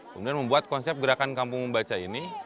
kemudian membuat konsep gerakan kampung membaca ini